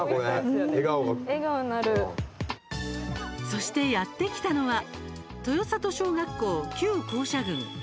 そして、やって来たのは豊郷小学校旧校舎群。